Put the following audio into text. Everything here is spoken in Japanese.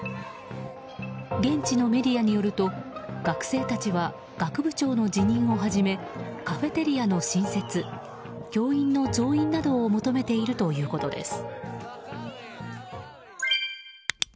現地のメディアによると学生たちは学部長の辞任をはじめカフェテリアの新設教員の増員などを求めているということです。